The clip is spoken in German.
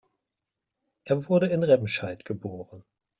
Er wurde in Remscheid geboren